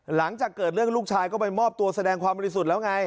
หลังจากเกิดเรื่องลูกชายก็ไปมอบตัวแสดงความบริสุทธิ์แล้วไง